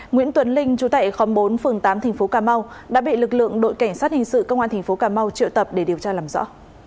nguyễn tuấn linh chú tại khóm bốn phường tám tp cm đã bị lực lượng đội cảnh sát hình sự công an tp cm triệu tập để điều tra làm rõ